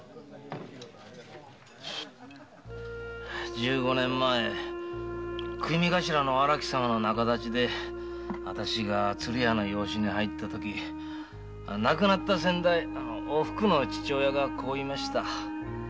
十五年前組頭の荒木様の仲立ちで私が鶴屋の養子に入ったとき亡くなった先代おふくの父親がこう言いました。